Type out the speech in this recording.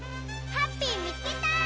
ハッピーみつけた！